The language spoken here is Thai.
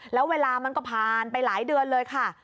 แล้วเวลามันก็ผ่านไปหลายเดือนเลยค่ะ